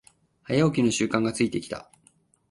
早起きの習慣がついてきた